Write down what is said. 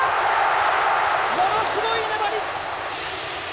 ものすごい粘り。